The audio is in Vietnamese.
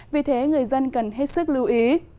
vì thế người dân cần hết sức lưu ý